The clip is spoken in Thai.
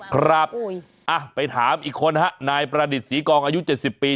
ครับอุ้ยอ่ะไปถามอีกคนฮะนายประดิษฐ์ศรีกองอายุเจ็ดสิบปี